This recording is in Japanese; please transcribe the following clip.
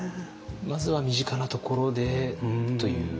まずは身近なところでという。